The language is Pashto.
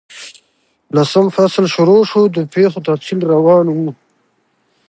لسم فصل شروع شو، د پیښو تفصیل روان وو.